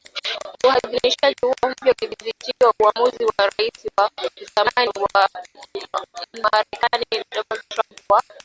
Uidhinishaji huo mpya unabatilisha uamuzi wa Raisi wa zamani wa Marekani Donald Trump wa